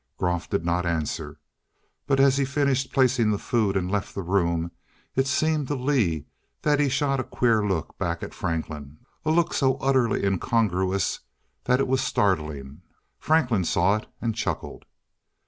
Groff did not answer. But as he finished placing the food, and left the room, it seemed to Lee that he shot a queer look back at Franklin. A look so utterly incongruous that it was startling. Franklin saw it and chuckled.